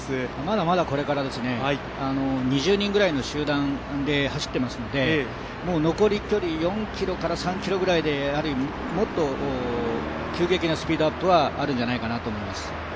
まだまだ、これから２０人ぐらいの集団で走っていますので残り距離４ｋｍから３ｋｍぐらいでもっと急激なスピードアップはあるんじゃないかなと思います。